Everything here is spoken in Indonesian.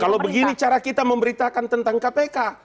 kalau begini cara kita memberitakan tentang kpk